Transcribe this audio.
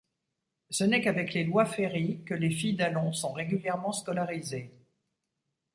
Ce n’est qu’avec les lois Ferry que les filles d’Allons sont régulièrement scolarisées.